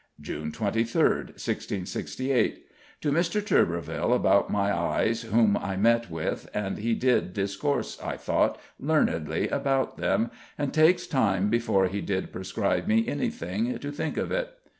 June 23rd, 1668: To Dr. Turberville about my eyes, whom I met with, and he did discourse, I thought, learnedly about them, and takes time before he did prescribe me anything, to think of it.